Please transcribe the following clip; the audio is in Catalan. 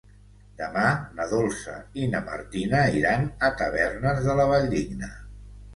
Demà na Dolça i na Martina iran a Tavernes de la Valldigna.